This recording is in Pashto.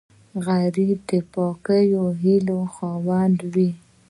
غریب د پاکو هیلو خاوند وي